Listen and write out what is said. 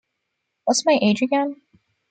What's My Age Again?